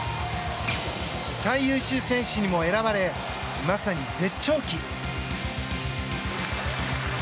最優秀選手にも選ばれまさに絶頂期。